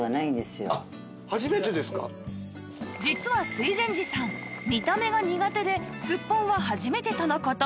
実は水前寺さん見た目が苦手ですっぽんは初めてとの事